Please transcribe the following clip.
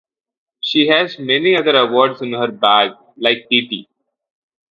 She has many other awards in her bag like Pt.